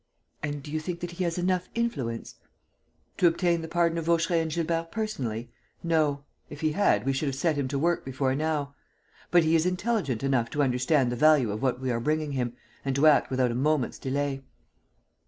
"And do you think that he has enough influence?" "To obtain the pardon of Vaucheray and Gilbert personally. No. If he had, we should have set him to work before now. But he is intelligent enough to understand the value of what we are bringing him and to act without a moment's delay."